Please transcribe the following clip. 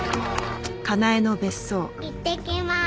いってきまーす。